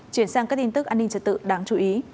chuyển sang các tin tức an ninh trật tự đáng chú ý